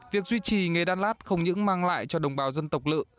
việc duy trì nghề đan lát không những mang lại cho đồng bào dân tộc lự